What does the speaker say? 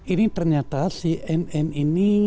ini ternyata cnn ini